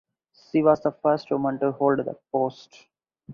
She was the first woman to hold the post.